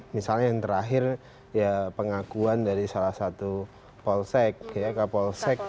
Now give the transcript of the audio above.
misalnya yang terakhir pengakuan dari salah satu polsek